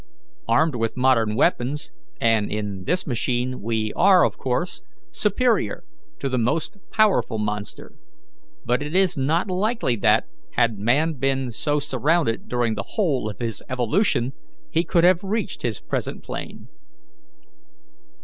Armed with modern weapons, and in this machine, we are, of course, superior to the most powerful monster; but it is not likely that, had man been so surrounded during the whole of his evolution, he could have reached his present plane."